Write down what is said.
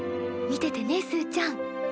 見ててねすーちゃん。